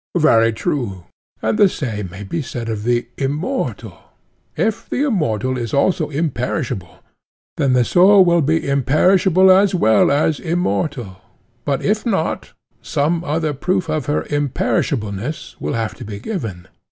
Very true. And the same may be said of the immortal: if the immortal is also imperishable, then the soul will be imperishable as well as immortal; but if not, some other proof of her imperishableness will have to be given.